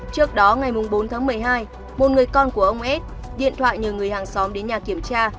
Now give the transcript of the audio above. trước đó ngày bốn tháng một mươi hai một người con của ông s điện thoại nhờ người hàng xóm đến nhà kiểm tra